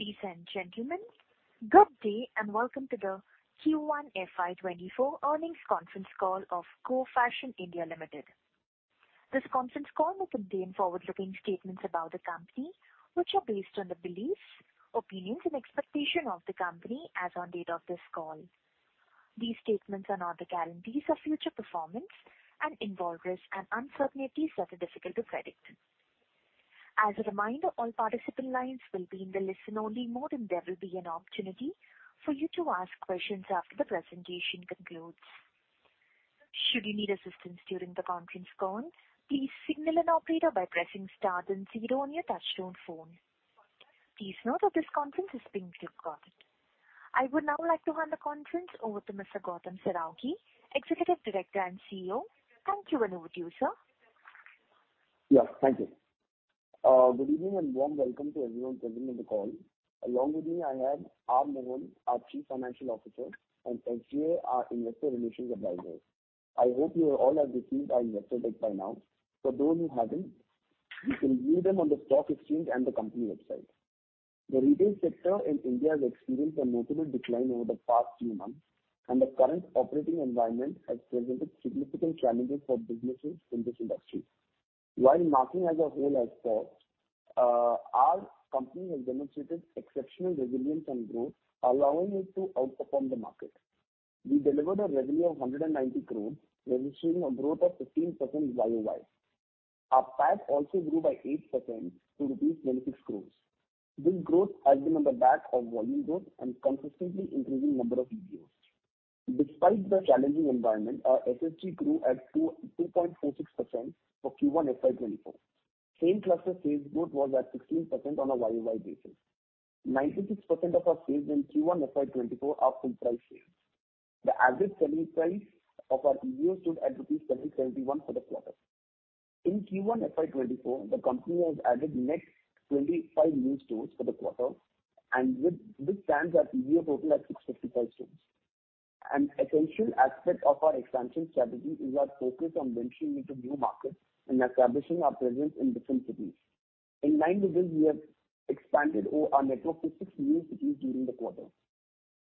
Ladies and gentlemen, good day, and welcome to the Q1 FY24 earnings conference call of Go Fashion (India) Limited. This conference call may contain forward-looking statements about the company, which are based on the beliefs, opinions, and expectation of the company as on date of this call. These statements are not the guarantees of future performance and involve risks and uncertainties that are difficult to predict. As a reminder, all participant lines will be in the listen-only mode, and there will be an opportunity for you to ask questions after the presentation concludes. Should you need assistance during the conference call, please signal an operator by pressing star 0 on your touchtone phone. Please note that this conference is being recorded. I would now like to hand the conference over to Mr. Gautam Saraogi, Executive Director and CEO. Thank you. Over to you, sir. Yes, thank you. Good evening, and warm welcome to everyone joining on the call. Along with me, I have R. Mohan, our Chief Financial Officer, and HJ, our Investor Relations Advisor. I hope you all have received our investor deck by now. For those who haven't, you can view them on the stock exchange and the company website. The retail sector in India has experienced a notable decline over the past few months. The current operating environment has presented significant challenges for businesses in this industry. While the market as a whole has slowed, our company has demonstrated exceptional resilience and growth, allowing us to outperform the market. We delivered a revenue of 190 crore, registering a growth of 15% YOY. Our PAT also grew by 8% to rupees 26 crore. This growth has been on the back of volume growth and consistently increasing number of EBOs. Despite the challenging environment, our SSG grew at 2.46% for Q1 FY 2024. Same-cluster sales growth was at 16% on a YOY basis. 96% of our sales in Q1 FY 2024 are full-price sales. The average selling price of our EBO stood at rupees 70-71 for the quarter. In Q1 FY 2024, the company has added net 25 new stores for the quarter, with this stands our EBO total at 655 stores. An essential aspect of our expansion strategy is our focus on venturing into new markets and establishing our presence in different cities. In nine regions, we have expanded our network to six new cities during the quarter,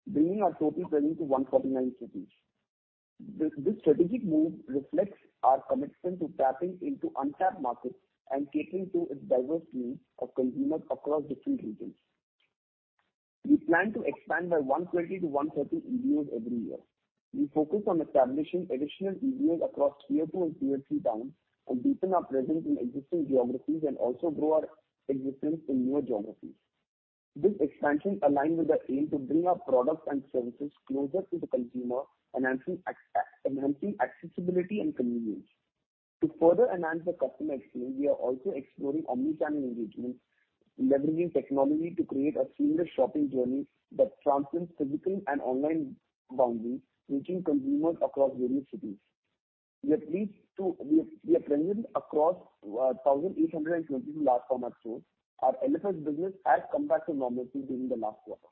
bringing our total presence to 149 cities This strategic move reflects our commitment to tapping into untapped markets and catering to a diverse needs of consumers across different regions. We plan to expand by 120 to 130 EBOs every year. We focus on establishing additional EBOs across Tier Two and Tier Three towns, deepen our presence in existing geographies and also grow our existence in newer geographies. This expansion aligns with our aim to bring our products and services closer to the consumer, enhancing accessibility and convenience. To further enhance the customer experience, we are also exploring omnichannel engagements, leveraging technology to create a seamless shopping journey that transcends physical and online boundaries, reaching consumers across various cities. We have presence across 1,820 large format stores. Our LFS business has come back to normalcy during the last quarter.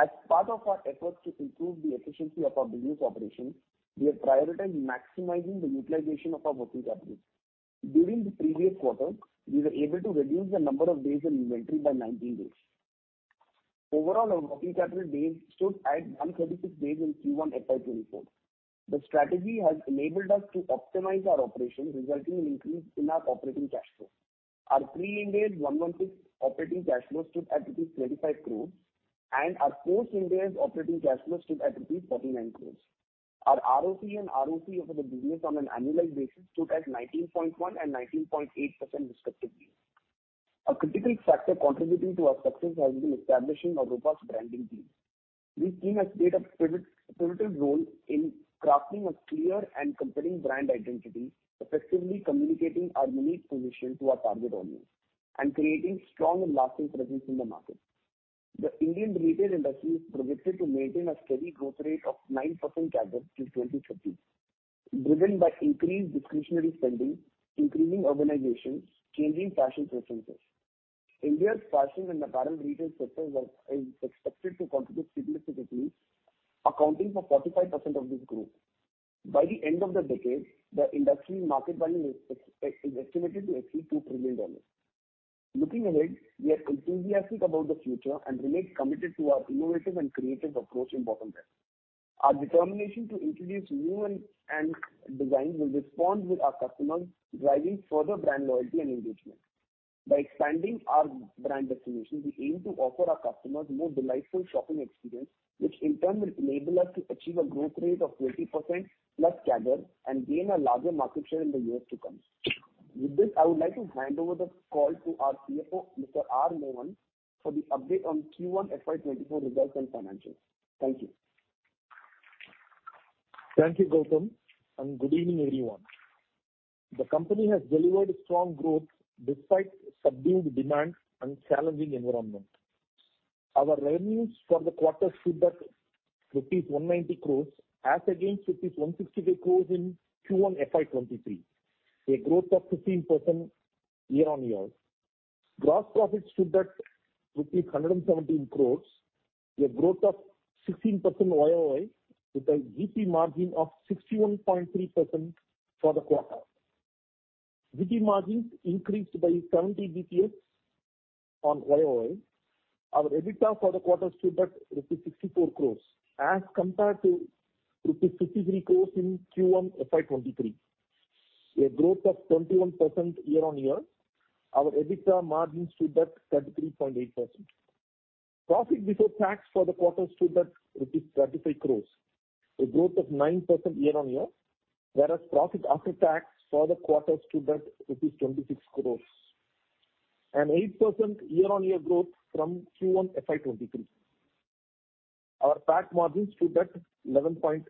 As part of our efforts to improve the efficiency of our business operations, we have prioritized maximizing the utilization of our working capital. During the previous quarter, we were able to reduce the number of days in inventory by 19 days. Overall, our working capital days stood at 136 days in Q1 FY 2024. The strategy has enabled us to optimize our operations, resulting in increase in our operating cash flow. Our Pre-Ind AS working capital operating cash flow stood at rupees 35 crore, and our Post-Ind AS operating cash flow stood at rupees 49 crore. Our ROCE and ROCE of the business on an annualized basis stood at 19.1% and 19.8% respectively. A critical factor contributing to our success has been establishing a robust branding team. This team has played a pivotal role in crafting a clear and compelling brand identity, effectively communicating our unique position to our target audience, and creating strong and lasting presence in the market. The Indian retail industry is projected to maintain a steady growth rate of 9% CAGR till 2030, driven by increased discretionary spending, increasing urbanization, changing fashion preferences. India's fashion and apparel retail sector is expected to contribute significantly, accounting for 45% of this growth. By the end of the decade, the industry market value is estimated to exceed $2 trillion. Looking ahead, we are enthusiastic about the future and remain committed to our innovative and creative approach in bottom wear. Our determination to introduce new and designs will respond with our customers, driving further brand loyalty and engagement. By expanding our brand destinations, we aim to offer our customers more delightful shopping experience, which in turn will enable us to achieve a growth rate of 20%+ CAGR and gain a larger market share in the years to come. With this, I would like to hand over the call to our CFO, Mr. R. Mohan, for the update on Q1 FY 2024 results and financials. Thank you. Thank you, Gautam. Good evening, everyone. The company has delivered strong growth despite subdued demand and challenging environment. Our revenues for the quarter stood at rupees 190 crore, as against rupees 162 crore in Q1 FY 2023, a growth of 15% year-over-year. Gross profit stood at rupees 117 crore, a growth of 16% YOY, with a GP margin of 61.3% for the quarter. ...GT margins increased by 70 BPS on YOY. Our EBITDA for the quarter stood at rupees 64 crore, as compared to rupees 53 crore in Q1 FY23, a growth of 21% year-on-year. Our EBITDA margins stood at 33.8%. Profit before tax for the quarter stood at rupees 35 crore, a growth of 9% year-on-year, whereas profit after tax for the quarter stood at rupees 26 crore, an 8% year-on-year growth from Q1 FY23. Our tax margins stood at 13.8%.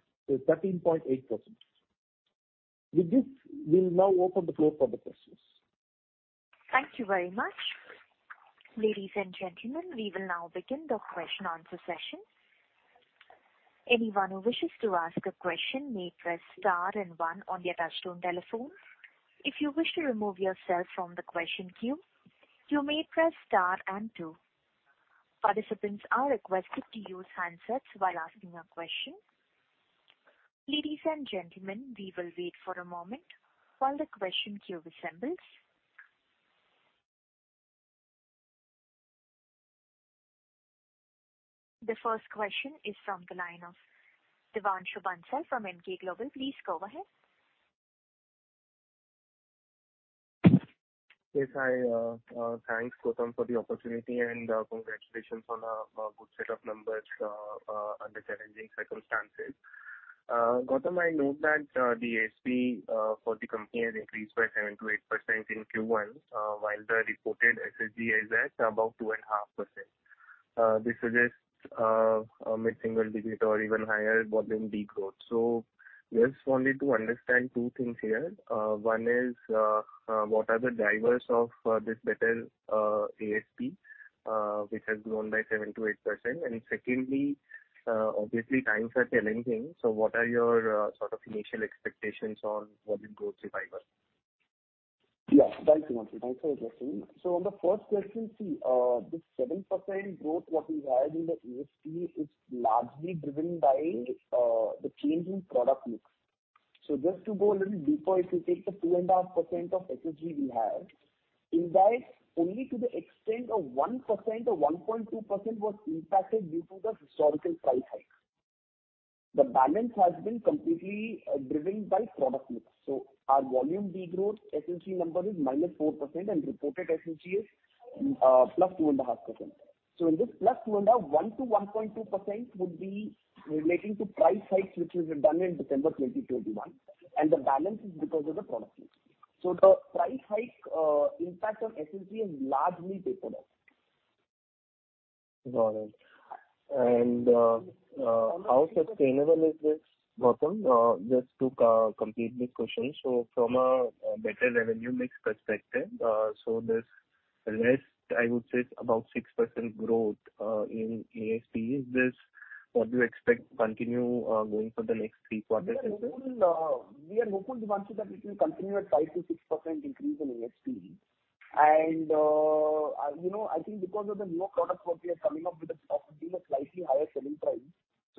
With this, we will now open the floor for the questions. Thank you very much. Ladies and gentlemen, we will now begin the question answer session. Anyone who wishes to ask a question may press star and 1 on their touchtone telephone. If you wish to remove yourself from the question queue, you may press star and 2. Participants are requested to use handsets while asking a question. Ladies and gentlemen, we will wait for a moment while the question queue assembles. The first question is from the line of Devanshu Bansal from Emkay Global. Please go ahead. Yes, hi, thanks, Gautam, for the opportunity, and congratulations on a good set of numbers, under challenging circumstances. Gautam, I note that the ASP for the company has increased by 7%-8% in Q1, while the reported SSG is at about 2.5%. This suggests a mid-single digit or even higher volume decline. Just wanted to understand two things here. One is, what are the drivers of this better ASP, which has grown by 7%-8%? Secondly, obviously, times are challenging, so what are your sort of initial expectations on volume growth revival? Yeah, thanks, Devanshu. Thanks for addressing. On the first question, see, this 7% growth what we had in the ASP is largely driven by the change in product mix. Just to go a little deeper, if you take the 2.5% of SSG we have, in that, only to the extent of 1% or 1.2% was impacted due to the historical price hike. The balance has been completely driven by product mix, so our volume degrowth SSG number is -4%, and reported SSG is +2.5%. In this +2.5%, 1%-1.2% would be relating to price hikes, which we had done in December 2021, and the balance is because of the product mix. The price hike, impact on SSG is largely tapered off. Got it. How sustainable is this, Gautam? Just to complete this question. From a better revenue mix perspective, there's less, I would say, about 6% growth in ASP. Is this what you expect to continue going for the next three quarters as well? We are hopeful, we are hopeful, Devanshu, that it will continue at 5%-6% increase in ASP. You know, I think because of the newer products what we are coming up with are being a slightly higher selling price.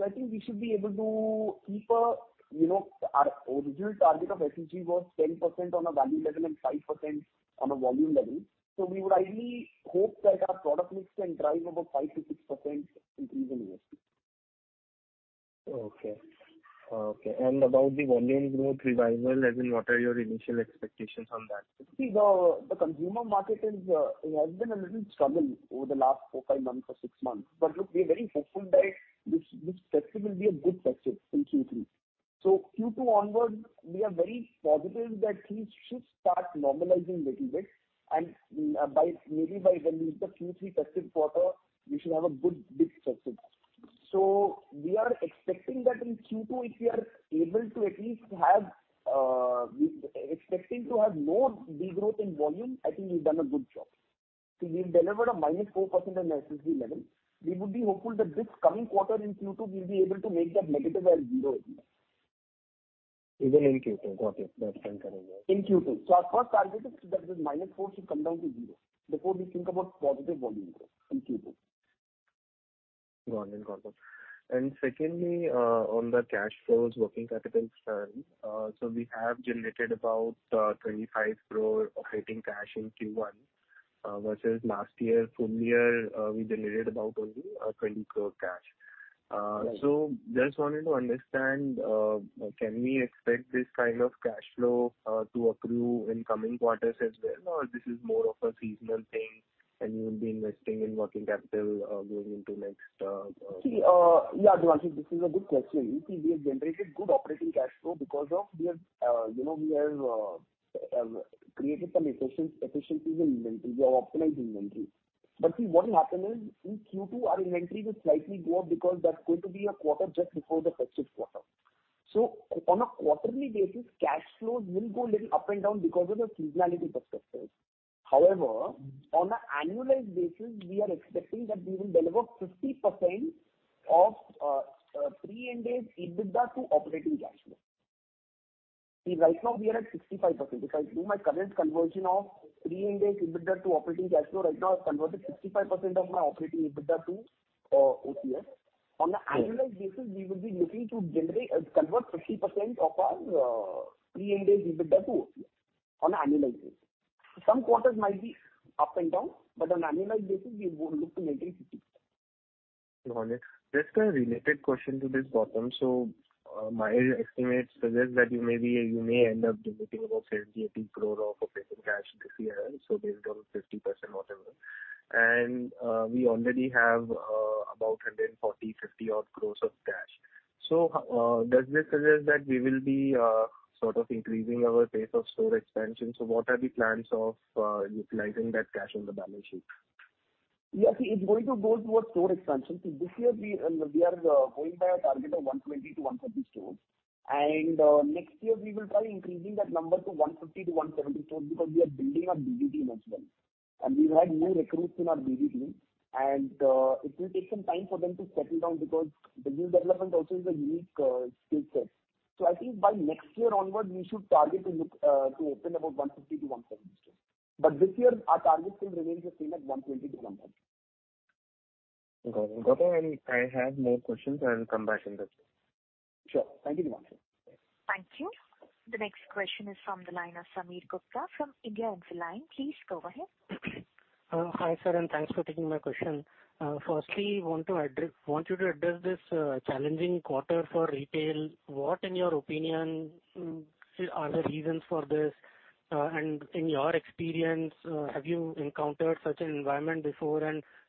I think we should be able to keep, you know, our original target of SSG was 10% on a value level and 5% on a volume level. We would ideally hope that our product mix can drive about 5%-6% increase in ASP. Okay. Okay, about the volume growth revival, as in, what are your initial expectations on that? See, the, the consumer market is has been a little struggle over the last 4, 5 months or 6 months. Look, we are very hopeful that this, this quarter will be a good quarter in Q3. Q2 onwards, we are very positive that things should start normalizing little bit and by, maybe by when we hit the Q3 festive quarter, we should have a good, big festive. We are expecting that in Q2, if we are able to at least have, we expecting to have more degrowth in volume, I think we've done a good job. We've delivered a -4% in SSG level. We would be hopeful that this coming quarter in Q2, we'll be able to make that negative and zero at least. Even in Q2. Got it. That's fine, got it, yeah. In Q2. Our first target is that this -4 should come down to 0 before we think about positive volume growth in Q2. Got it, got it. Secondly, on the cash flows, working capital side, we have generated about 25 crore operating cash in Q1, versus last year, full year, we generated about only 20 crore cash. Right. Just wanted to understand, can we expect this kind of cash flow to accrue in coming quarters as well, or this is more of a seasonal thing and you will be investing in working capital going into next? Devanshu, this is a good question. We have generated good operating cash flow because of, we have, you know, we have, created some efficiencies, efficiencies in inventory. We have optimized inventory. What will happen is, in Q2, our inventory will slightly go up because that's going to be a quarter just before the festive quarter. On a quarterly basis, cash flows will go a little up and down because of the seasonality perspectives. However, on an annualized basis, we are expecting that we will deliver 50% of Pre-Ind AS EBITDA to operating cash flow. Right now we are at 65%. If I do my current conversion of Pre-Ind AS EBITDA to operating cash flow, right now I've converted 65% of my operating EBITDA to OCF. On an annualized basis, we will be looking to generate and convert 50% of our pre-interest EBITDA to OCF on an annualized basis. Some quarters might be up and down, on an annualized basis, we would look to maintain 50. Got it. Just a related question to this, Gautam. My estimates suggest that you may be, you may end up generating about 70-80 crore of operating cash this year, so based on 50% or whatever, and, we already have, about 140-150 crore of cash. Does this suggest that we will be, sort of increasing our pace of store expansion? What are the plans of, utilizing that cash on the balance sheet? Yes, it's going to go towards store expansion. This year we, we are going by a target of 120-130 stores, next year we will try increasing that number to 150-170 stores, because we are building our BD team as well. We've had new recruits in our BD team, it will take some time for them to settle down because business development also is a unique skill set. I think by next year onward, we should target to look to open about 150-170 stores. This year our target still remains the same as 120-130. Got it. Gautam, I have more questions. I'll come back in touch. Sure. Thank you very much. Thank you. The next question is from the line of Sameer Gupta from India Infoline. Please go ahead. Hi, sir, thanks for taking my question. Firstly, want to address, want you to address this challenging quarter for retail. What, in your opinion, are the reasons for this? In your experience, have you encountered such an environment before?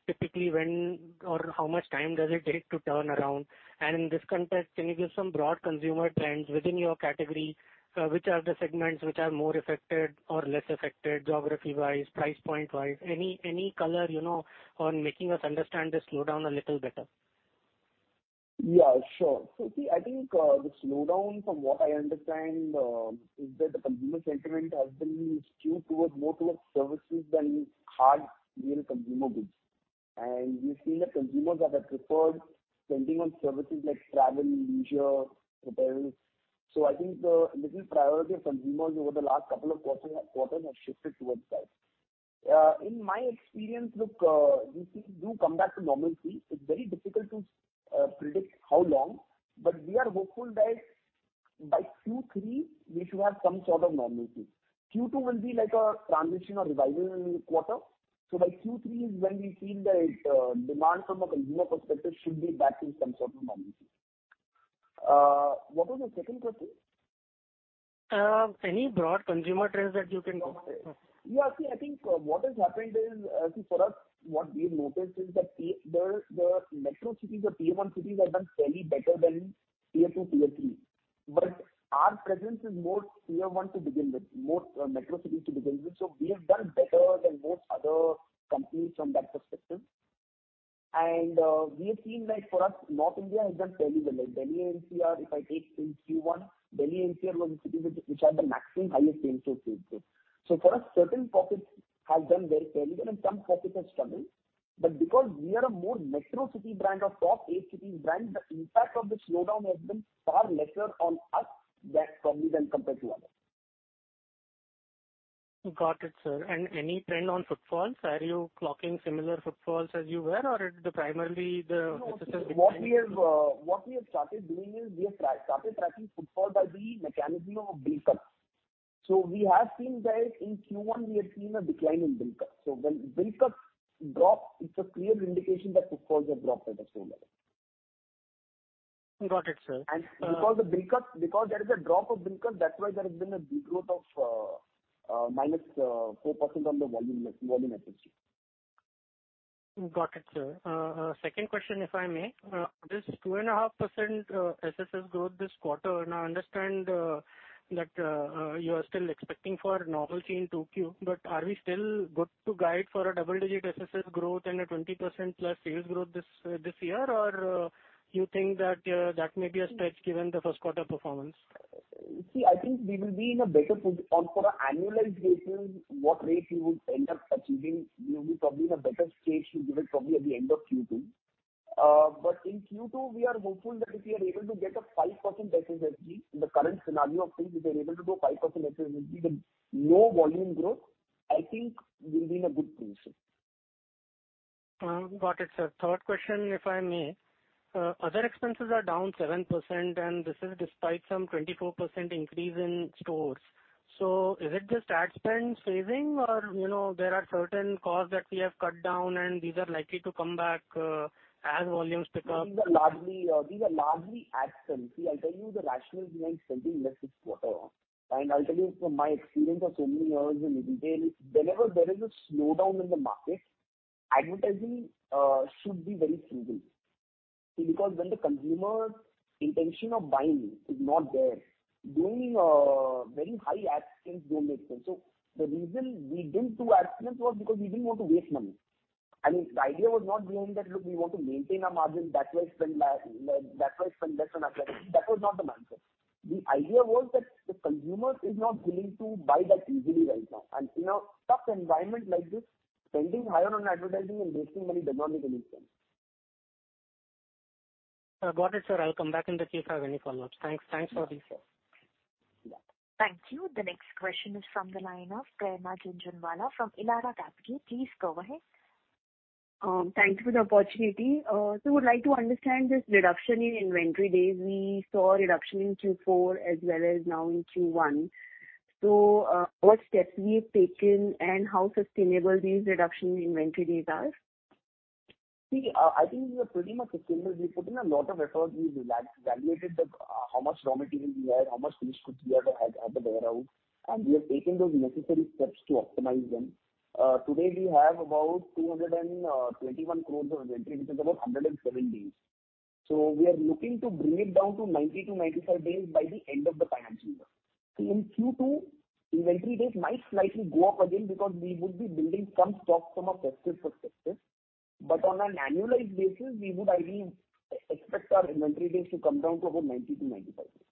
Typically, when or how much time does it take to turn around? In this context, can you give some broad consumer trends within your category, which are the segments which are more affected or less affected, geography-wise, price point-wise? Any, any color, you know, on making us understand this slowdown a little better. Yeah, sure. See, I think the slowdown, from what I understand, is that the consumer sentiment has been skewed towards more towards services than hard real consumer goods. We've seen that consumers have preferred spending on services like travel, leisure, hotels. I think the, little priority of consumers over the last couple of quarter, quarters have shifted towards that. In my experience, look, we see, do come back to normalcy. It's very difficult to predict how long, but we are hopeful that by Q3, we should have some sort of normalcy. Q2 will be like a transition or revival quarter. By Q3 is when we feel that demand from a consumer perspective should be back in some sort of normalcy. What was the second question? Any broad consumer trends that you can talk about? Yeah, see, I think what has happened is, see for us, what we've noticed is that the, the, the metro cities or Tier One cities have done fairly better than Tier Two, Tier Three. Our presence is more Tier One to begin with, more metro cities to begin with, so we have done better than most other companies from that perspective. We have seen that for the North India has done fairly well. Like Delhi NCR, if I take in Q1, Delhi NCR was the cities which, which had the maximum highest sales growth. For us, certain pockets have done very fairly well and some pockets have struggled. Because we are a more metro city brand or top 8 cities brand, the impact of the slowdown has been far lesser on us than probably when compared to others. Got it, sir. Any trend on footfalls? Are you clocking similar footfalls as you were, or is it primarily the- What we have, what we have started doing is, we have started tracking footfalls by the mechanism of bill cuts. We have seen that in Q1, we have seen a decline in bill cuts. When bill cuts drop, it's a clear indication that footfalls have dropped at a store level. Got it, sir. Because the bill cuts, because there is a drop of bill cuts, that's why there has been a degrowth of minus 4% on the volume, volume efficiency. Got it, sir. Second question, if I may. This 2.5% SSS growth this quarter, now I understand that you are still expecting for normalcy in 2Q, but are we still good to guide for a double-digit SSS growth and a 20% plus sales growth this year, or you think that that may be a stretch given the first quarter performance? See, I think we will be in a better position. For an annualized basis, what rate we would end up achieving, we will be probably in a better stage to give it probably at the end of Q2. In Q2, we are hopeful that if we are able to get a 5% SSSG in the current scenario of things, if we are able to do a 5% SSSG with low volume growth, I think we'll be in a good position. Got it, sir. Third question, if I may. Other expenses are down 7%, and this is despite some 24% increase in stores. Is it just ad spend phasing or, you know, there are certain costs that we have cut down and these are likely to come back as volumes pick up? These are largely, these are largely ad spends. See, I'll tell you the rationale behind spending in this quarter, and I'll tell you from my experience of so many years in retail, whenever there is a slowdown in the market, advertising, should be very frugal. See, because when the consumer intention of buying is not there, doing a very high ad spends don't make sense. The reason we didn't do ad spends was because we didn't want to waste money. I mean, the idea was not saying that, look, we want to maintain our margin, that's why spend la- that's why spend less on advertising. That was not the mindset. The idea was that the consumer is not willing to buy that easily right now. You know, tough environment like this, spending higher on advertising and wasting money does not make any sense. Got it, sir. I'll come back in the queue if I have any follow-ups. Thanks, thanks for this call. Thank you. The next question is from the line of Prerna Jhunjhunwala from Elara Capital. Please go ahead. Thanks for the opportunity. Would like to understand this reduction in inventory days. We saw a reduction in Q4 as well as now in Q1. What steps we have taken and how sustainable these reduction in inventory days are? I think we are pretty much sustainable. We put in a lot of effort. We re-evaluated the how much raw material we had, how much finished goods we had at the warehouse. We have taken those necessary steps to optimize them. Today, we have about 221 crore of inventory, which is about 107 days. We are looking to bring it down to 90-95 days by the end of the financial year. In Q2, inventory days might slightly go up again because we would be building some stock from a festive perspective, but on an annualized basis, we would ideally expect our inventory days to come down to about 90-95 days.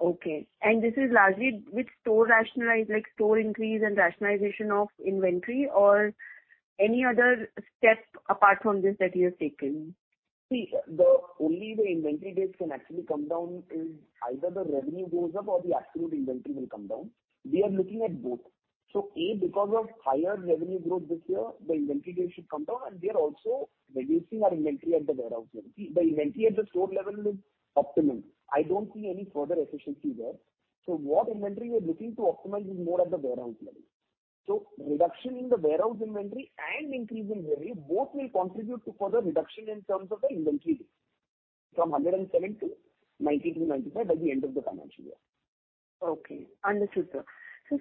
Okay. This is largely with store rationalize, like, store increase and rationalization of inventory, or any other steps apart from this that you have taken? See, the only way inventory days can actually come down is either the revenue goes up or the absolute inventory will come down. We are looking at both. A, because of higher revenue growth this year, the inventory days should come down, and we are also reducing our inventory at the warehouse level. See, the inventory at the store level is optimum. I don't see any further efficiency there. What inventory we are looking to optimize is more at the warehouse level. Reduction in the warehouse inventory and increase in revenue, both will contribute to further reduction in terms of the inventory days, from 107 to 90-95 by the end of the financial year. Okay, understood, sir.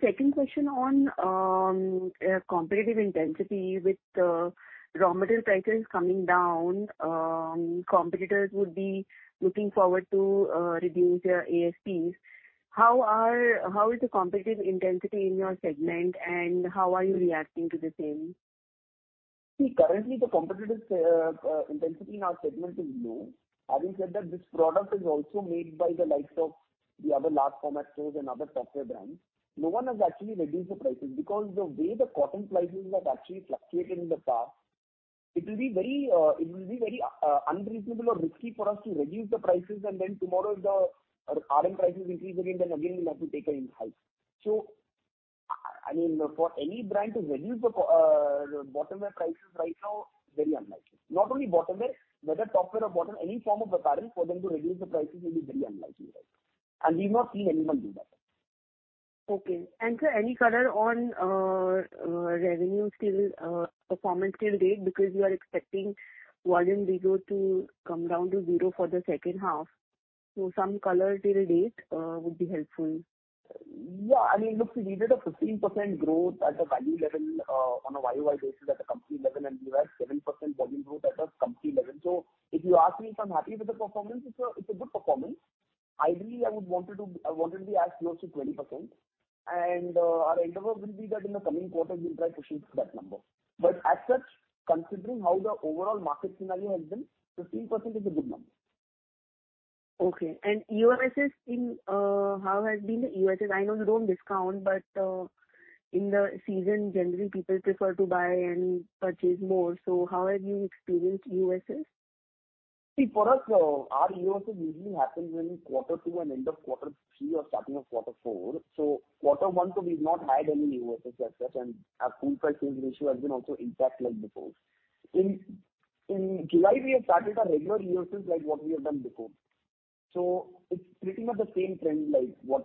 Second question on competitive intensity with Raw materials prices coming down, competitors would be looking forward to reduce their ASPs. How are -- how is the competitive intensity in your segment, and how are you reacting to the same? See, currently the competitive intensity in our segment is low. Having said that, this product is also made by the likes of the other large format stores and other popular brands. No one has actually reduced the prices, because the way the cotton prices have actually fluctuated in the past, it will be very, very unreasonable or risky for us to reduce the prices, and then tomorrow, if the RM prices increase again, then again, we'll have to take a hike. I mean, for any brand to reduce the bottom wear prices right now, very unlikely. Not only bottom wear, whether top wear or bottom, any form of apparel, for them to reduce the prices will be very unlikely right now, and we've not seen anyone do that. Okay. Sir, any color on revenue still performance till date, because you are expecting volume rigor to come down to 0 for the second half. Some color till date would be helpful. Yeah, I mean, look, we did a 15% growth at the value level on a YOY basis at the company level, and we were 7% volume growth at the company level. If you ask me if I'm happy with the performance, it's a, it's a good performance. Ideally, I would want it to, I want it to be as close to 20%, and our endeavor will be that in the coming quarter, we'll try to push it to that number. As such, considering how the overall market scenario has been, 15% is a good number. Okay. EOSS in, how has been the EOSS? I know you don't discount, but, in the season, generally people prefer to buy and purchase more. How have you experienced EOSS? See, for us, our EOSS usually happens in Quarter Two and end of Quarter Three or starting of Quarter Four. Quarter One, so we've not had any EOSS as such, and our full price sales ratio has been also intact like before. In, in July, we have started our regular EOSS, like what we have done before. It's pretty much the same trend like what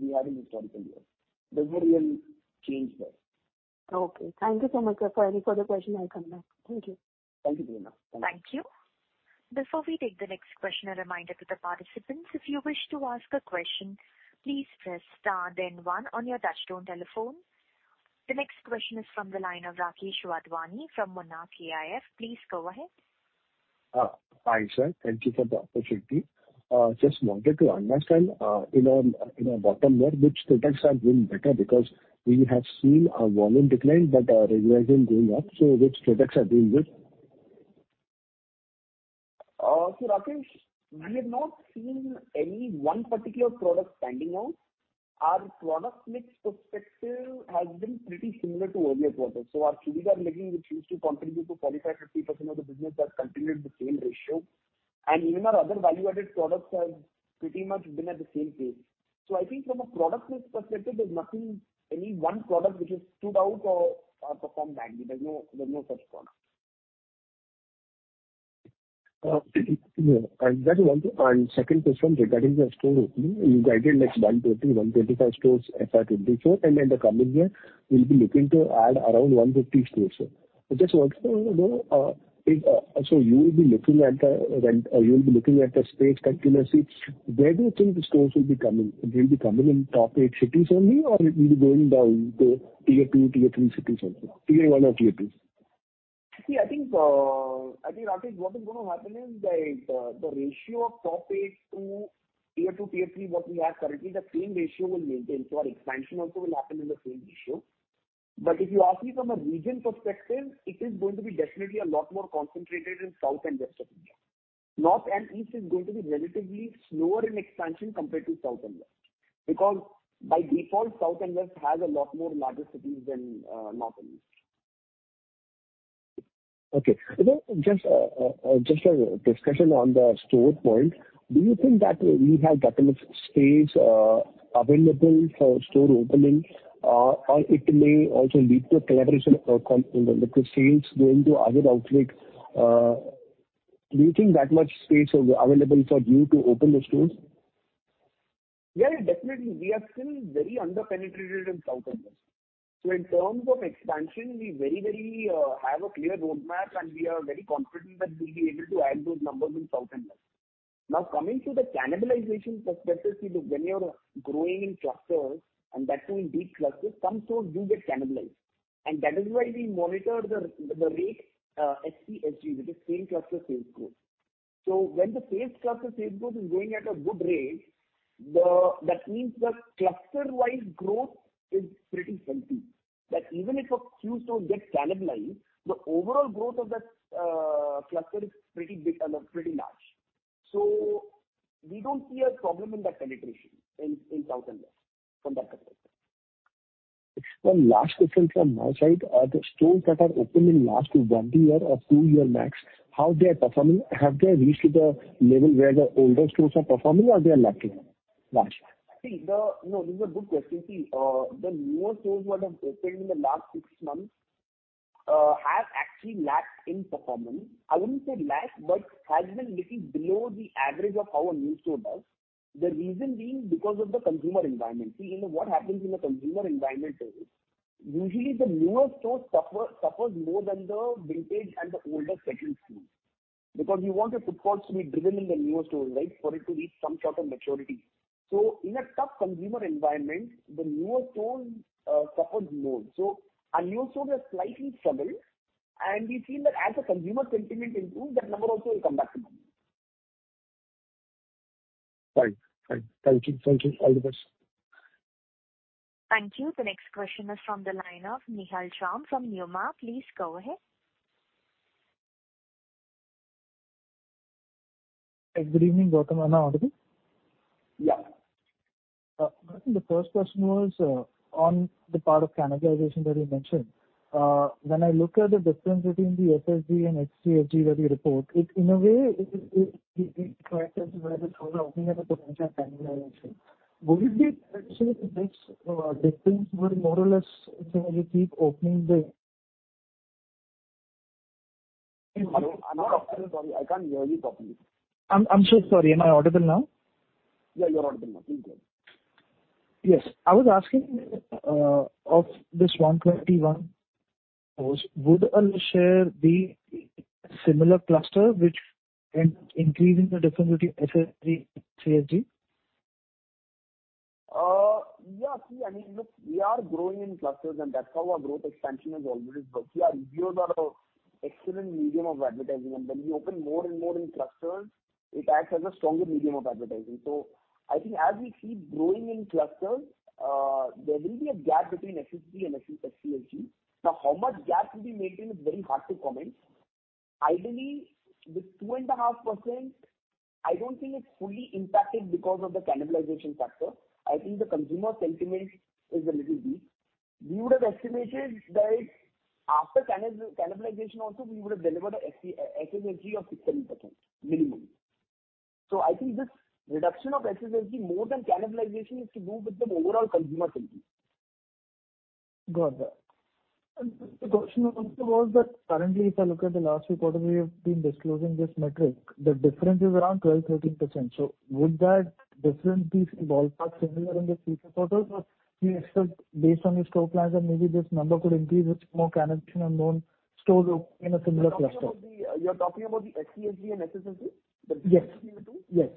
we had in historical years. There's no real change there. Okay, thank you so much, sir. For any further question, I'll come back. Thank you. Thank you, Prerna. Thank you. Before we take the next question, a reminder to the participants, if you wish to ask a question, please press star then one on your touchtone telephone. The next question is from the line of Rakesh Wadhwani from Monarch AIF. Please go ahead. Hi, sir. Thank you for the opportunity. Just wanted to understand, in a bottom wear, which products are doing better, because we have seen a volume decline, but, revenue has been going up. Which products are doing good? Rakesh, we have not seen any one particular product standing out. Our product mix perspective has been pretty similar to earlier quarters. Our TVR living, which used to contribute to 45%-50% of the business, has continued the same ratio. Even our other value-added products have pretty much been at the same pace. I think from a product mix perspective, there's nothing, any one product which has stood out or, or performed badly. There's no, there's no such product. And that one, and second question, regarding the store opening, you guided next 120, 125 stores FY 2024, and in the coming year, we'll be looking to add around 150 stores. I just want to know, if, so you will be looking at the rent or you will be looking at the space continuously, where do you think the stores will be coming? Will be coming in top 8 cities only, or it will be going down to Tier Two, Tier Three cities also, Tier One or Tier Two? See, I think, I think, Rakesh, what is going to happen is that the ratio of top eight to Tier Two, Tier Three, what we have currently, the same ratio will maintain. Our expansion also will happen in the same ratio. If you ask me from a region perspective, it is going to be definitely a lot more concentrated in South and West of India. North and East is going to be relatively slower in expansion compared to South and West, because by default, South and West has a lot more larger cities than North and East. Okay. Just, just a discussion on the store point. Do you think that we have got enough space available for store opening, or it may also lead to a collaboration outcome in the sales going to other outlets, do you think that much space is available for you to open the stores? Yeah, definitely. We are still very under-penetrated in South India. In terms of expansion, we very, very have a clear roadmap, and we are very confident that we'll be able to add those numbers in South India. Now, coming to the cannibalization perspective, see, look, when you are growing in clusters, and that too in big clusters, some stores do get cannibalized, and that is why we monitor the, the rate, SCSG, which is same-cluster sales growth. When the same-cluster sales growth is going at a good rate, that means the cluster-wide growth is pretty healthy, that even if a few stores get cannibalized, the overall growth of that cluster is pretty big and pretty large. We don't see a problem in that penetration in, in South India from that perspective. One last question from my side. Are the stores that are opening last one year or two year max, how they are performing? Have they reached to the level where the older stores are performing or they are lacking? Last. See, the... No, this is a good question. See, the newer stores what have opened in the last six months, have actually lacked in performance. I wouldn't say lacked, but has been little below the average of how a new store does. The reason being because of the consumer environment. See, you know, what happens in a consumer environment is, usually the newer stores suffer, suffers more than the vintage and the older second stores, because you want your footfalls to be driven in the newer stores, right? For it to reach some sort of maturity. So in a tough consumer environment, the newer stores, suffers more. So our newer stores have slightly struggled, and we've seen that as the consumer sentiment improves, that number also will come back to normal. Fine. Fine. Thank you. Thank you. All the best. Thank you. The next question is from the line of Nihal Jham from Nuvama. Please go ahead. Good evening, Gautam, am I audible? Yeah. I think the first question was on the part of cannibalization that you mentioned. When I look at the difference between the SSG and SCSG that you report, it in a way, it, it, it catches where the stores are opening up the potential cannibalization. Would it be actually this difference would more or less as you keep opening the- Hello, I'm not audible. Sorry, I can't hear you properly. I'm so sorry. Am I audible now? Yeah, you're audible now. Thank you. Yes. I was asking, of this 121 stores, would you share the similar cluster which can increase in the difference between SSG and CSG? Yeah. See, I mean, look, we are growing in clusters, and that's how our growth expansion has always been. See, our views are a excellent medium of advertising, and when we open more and more in clusters, it acts as a stronger medium of advertising. I think as we keep growing in clusters, there will be a gap between SSG and SCSG. Now, how much gap will be maintained is very hard to comment. Ideally, this 2.5%, I don't think it's fully impacted because of the cannibalization factor. I think the consumer sentiment is a little weak. We would've estimated that after cannibalization also, we would have delivered a SSG of 6%-7%, minimum. I think this reduction of SSG more than cannibalization, is to do with the overall consumer sentiment. Got that. The question also was that currently, if I look at the last quarter, we have been disclosing this metric, the difference is around 12%-13%. Would that difference be ballparked similar in the future quarters, or you expect based on your store plans, that maybe this number could increase with more cannibalization and more stores opening in a similar cluster? You're talking about the, you're talking about the SCSG and SSG? Yes. The two? Yes.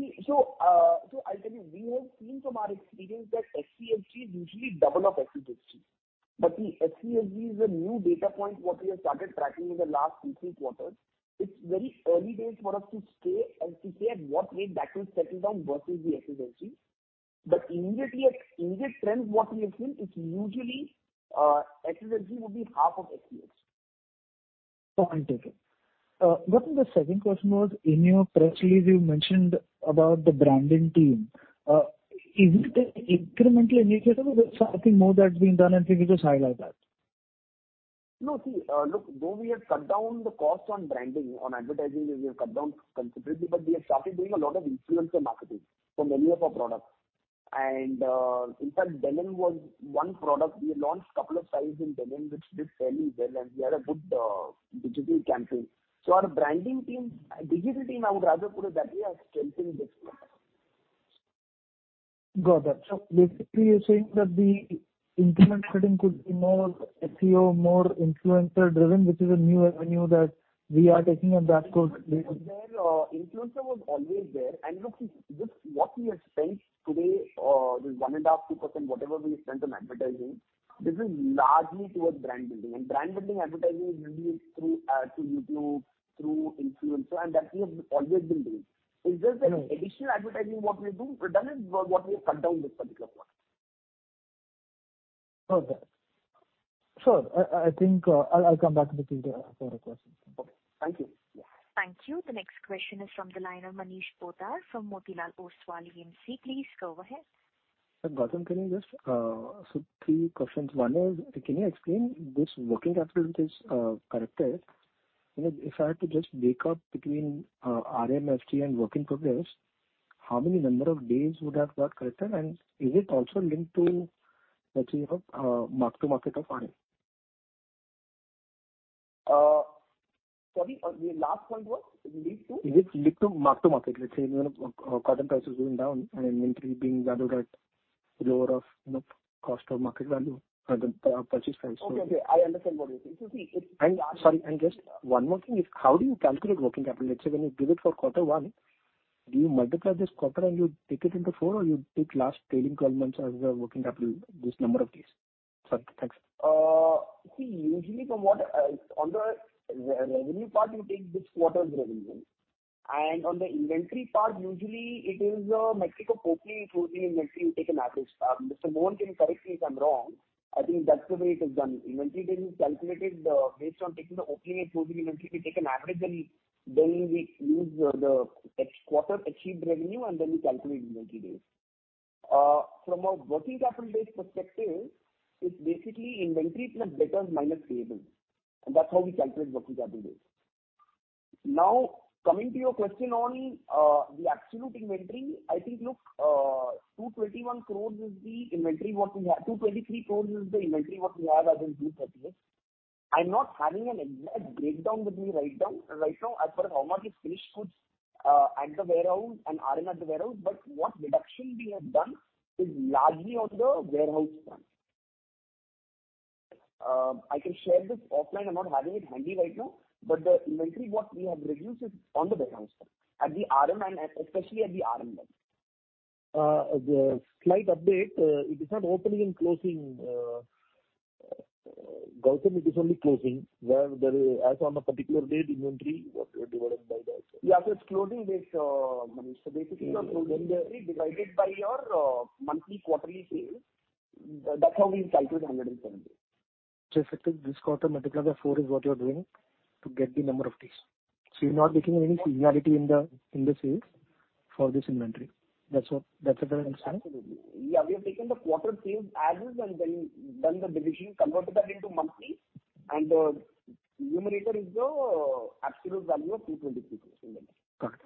I'll tell you, we have seen from our experience that SCSG is usually double of SSG. The SCSG is a new data point, what we have started tracking in the last two, three quarters. It's very early days for us to say, to say at what rate that will settle down versus the SSG. Immediately, at immediate trend, what we have seen, it's usually SSG would be half of SCSG. Point taken. Gautam, the second question was, in your press release, you mentioned about the branding team. Is it an incremental initiative or there's something more that's being done, and can you just highlight that? No, see, look, though we have cut down the cost on branding, on advertising, we have cut down considerably, but we have started doing a lot of influencer marketing for many of our products. In fact, denim was one product. We launched couple of styles in denim, which did fairly well, and we had a good digital campaign. Our branding team, digital team, I would rather put it that way, are strengthening this point. Got that. Basically, you're saying that the incremental spending could be more SEO, more influencer-driven, which is a new avenue that we are taking, and that could be... Influencer was always there. Look, this, what we have spent today, this 1.5%, 2%, whatever we spent on advertising, this is largely towards brand building. Brand building advertising usually is through, through YouTube, through influencer, and that we have always been doing. Mm-hmm. It's just an additional advertising what we're doing, but that is what we have cut down this particular quarter. Okay. Sure, I, I think, I'll, I'll come back to you later for a question. Okay. Thank you. Yeah. Thank you. The next question is from the line of Manish Poddar, from Motilal Oswal AMC. Please go ahead. ... Sir Gautam, can you just, so three questions. One is, can you explain this working capital which is corrected? You know, if I had to just break up between RMFT and work in progress, how many number of days would that work corrected, and is it also linked to, let's say, you know, mark to market of RM? Sorry, the last one was linked to? Is it linked to mark to market? Let's say, you know, cotton price is going down, and inventory being valued at lower of, you know, cost or market value at the purchase price. Okay, okay, I understand what you're saying. Sorry, just one more thing is, how do you calculate working capital? Let's say, when you give it for Q1, do you multiply this quarter and you take it into 4, or you take last trading 12 months as a working capital, this number of days? Sorry, thanks. See, usually from what, on the re-revenue part, you take this quarter's revenue, on the inventory part, usually it is a metric of opening, closing inventory, you take an average. Mr. Mohan can correct me if I'm wrong. I think that's the way it is done. Inventory being calculated, based on taking the opening and closing inventory, we take an average, then we use the quarter achieved revenue, then we calculate inventory days. From a working capital days perspective, it's basically inventory plus debtors minus payable, that's how we calculate working capital days. Now, coming to your question on the absolute inventory, I think, look, 221 crore is the inventory what we have... 223 crore is the inventory what we have as on June 30th. I'm not having an exact breakdown with me right now, right now, as far as how much is finished goods, at the warehouse and RM at the warehouse, but what deduction we have done is largely on the warehouse front. I can share this offline. I'm not having it handy right now, but the inventory what we have reduced is on the warehouse front, at the RM and especially at the RM level. The slight update, it is not opening and closing. Gautam, it is only closing, where there is, as on a particular date, inventory what divided by the outside. Yeah, it's closing this, Manish. Basically, your closing inventory divided by your monthly, quarterly sales. That's how we calculate 110 days. Effectively, this quarter multiplied by 4 is what you're doing to get the number of days. You're not taking any seasonality in the, in the sales for this inventory. That's what, that's what I understand? Yeah, we have taken the quarter sales as is, and then done the division, converted that into monthly, and the numerator is the absolute value of INR 223 crore inventory. Correct.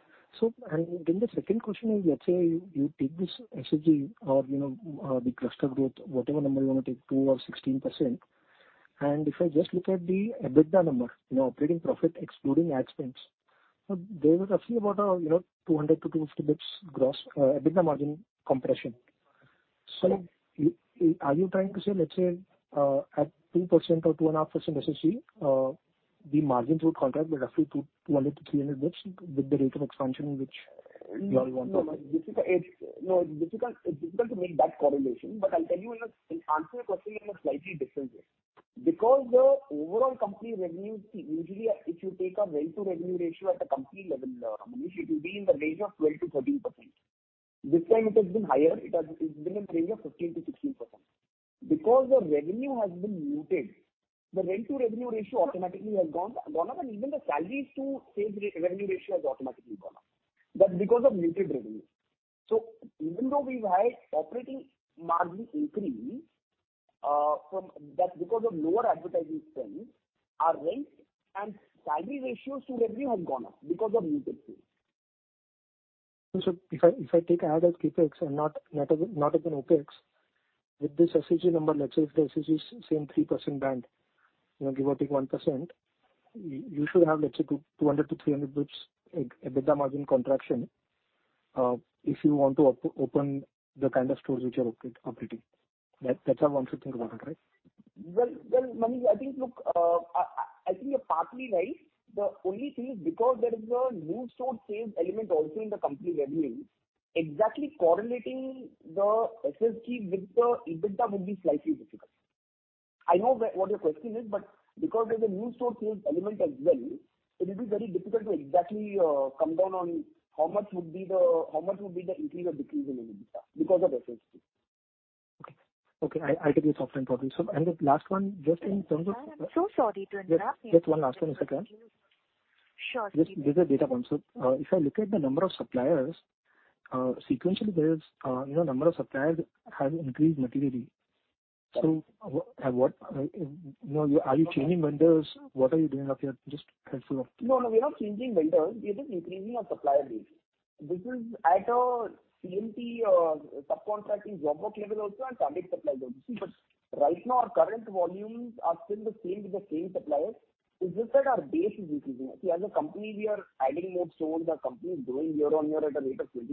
And then the second question is, let's say, you take this SSG or, you know, the cluster growth, whatever number you want to take, 2% or 16%, and if I just look at the EBITDA number, you know, operating profit excluding ad spends, there is roughly about a, you know, 200 to 250 basis points gross EBITDA margin compression. Are you trying to say, let's say, at 2% or 2.5% SSG, the margins would contract by roughly 200 to 300 basis points with the rate of expansion, which you all want? No, Manish, it's, you know, it's difficult, it's difficult to make that correlation, but I'll tell you in a I'll answer your question in a slightly different way. Because the overall company revenue, see, usually if you take a rent to revenue ratio at a company level, Manish, it will be in the range of 12%-13%. This time it has been higher, it has been in the range of 15%-16%. Because the revenue has been muted, the rent to revenue ratio automatically has gone, gone up, and even the salaries to sales revenue ratio has automatically gone up. That's because of muted revenue. Even though we've had operating margin increase, that's because of lower advertising spend, our rent and salary ratios to revenue have gone up because of muted spend. If I, if I take out CapEx and not, not even, not even OpEx, with this SSG number, let's say, if the SSG is same 3% band, you know, give or take 1%, you should have, let's say, 200 to 300 BPS, like, EBITDA margin contraction, if you want to open the kind of stores which you are operating. That's what I want to think about, right? Well, Manish, I think, look, I think you're partly right. The only thing is because there is a new store sales element also in the company revenue, exactly correlating the SSG with the EBITDA would be slightly difficult. I know what your question is, but because there's a new store sales element as well, it will be very difficult to exactly come down on how much would be the increase or decrease in the EBITDA because of SSG. Okay, okay, I, I take this offline problem. And the last one, just in terms of- I am so sorry to interrupt you. Just, just one last one, a second. Sure. Just with the data points. If I look at the number of suppliers, sequentially, there is, you know, number of suppliers has increased materially. What, you know, are you changing vendors? What are you doing out there? Just helpful. No, no, we are not changing vendors. We are just increasing our supplier base. This is at a CMT or subcontracting job work level also, and target suppliers also. Right now, our current volumes are still the same with the same suppliers. It's just that our base is increasing. See, as a company, we are adding more stores. Our company is growing year-on-year at a rate of 20%.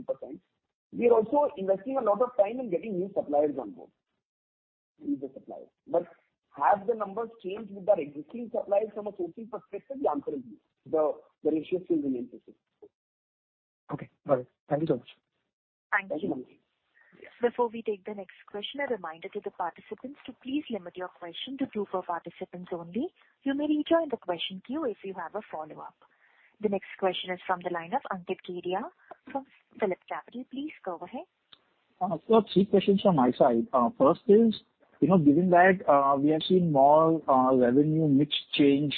We are also investing a lot of time in getting new suppliers on board, with the suppliers. Have the numbers changed with our existing suppliers from a sourcing perspective? The answer is no. The, the ratio still remains the same. Okay, got it. Thank you so much. Thank you. Before we take the next question, a reminder to the participants to please limit your question to 2 per participants only. You may rejoin the question queue if you have a follow-up. The next question is from the line of Ankit Kedia from PhillipCapital. Please go ahead. Three questions from my side. First is. You know, given that we have seen more revenue mix change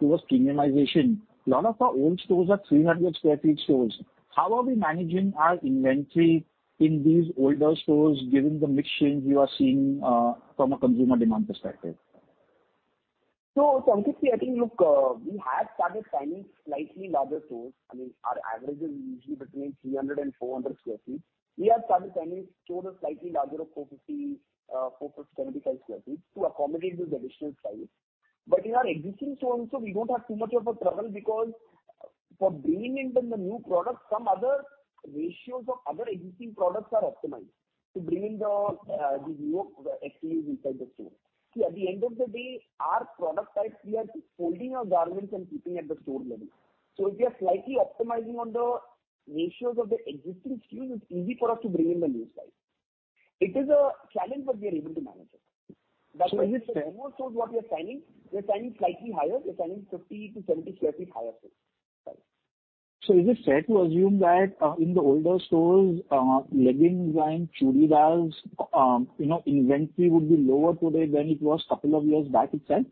towards premiumization, a lot of our old stores are 300 sq ft stores. How are we managing our inventory in these older stores, given the mix change you are seeing from a consumer demand perspective? Ankit, I think, look, we have started signing slightly larger stores. I mean, our average is usually between 300 and 400 sq ft. We have started signing stores are slightly larger of 450-475 sq ft to accommodate this additional size. In our existing stores also, we don't have too much of a trouble, because for bringing in the new products, some other ratios of other existing products are optimized to bring in the new SKUs inside the store. At the end of the day, our product type, we are just holding our garments and keeping at the store level. If we are slightly optimizing on the ratios of the existing SKUs, it's easy for us to bring in the new size. It is a challenge, but we are able to manage it. is it fair- The new stores what we are signing, we are signing slightly higher. We're signing 50 to 70 sq ft higher, sir. Is it fair to assume that, in the older stores, leggings and churidars, you know, inventory would be lower today than it was couple of years back itself?